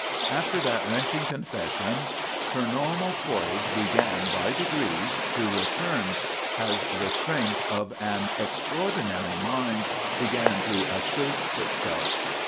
After that wrenching confession her normal poise began by degrees to return as the strength of an extraordinary mind began to assert itself.